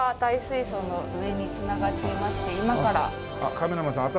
カメラマンさん頭